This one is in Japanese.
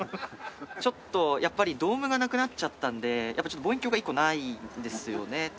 ちょっとやっぱりドームがなくなっちゃったのでやっぱちょっと望遠鏡が１個ないんですよね。